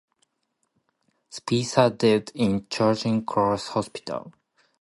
Spicer died in Charing Cross Hospital.